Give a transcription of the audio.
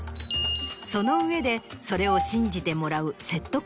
その上でそれを信じてもらう説得